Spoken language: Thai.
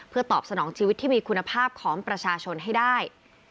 เพื่อตอบสนองชีวิตที่มีคุณภาพของประชาชนให้ได้